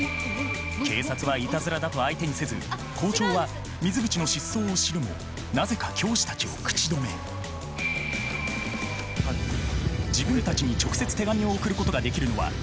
警察はイタズラだと相手にせず校長は水口の失踪を知るもなぜか教師たちを口止め自分たちに直接手紙を送ることができるのは教師だけ。